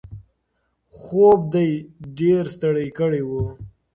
خوب دی ډېر ستړی کړی و.